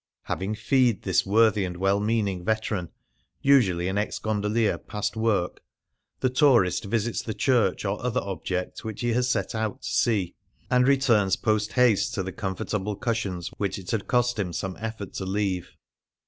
Having fee'd this worthy and well meaning veteran (usually an ex gondolier past work), the tourist visits the church or other object which he has set out to see, and returns post haste to the com fortable cushions which it had cost him some effort to leave.